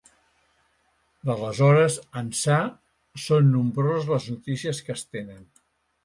D'aleshores ençà són nombroses les notícies que es tenen.